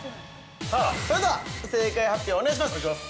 ◆それでは正解発表をお願いします。